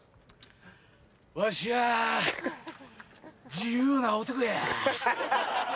わしは自由な男や。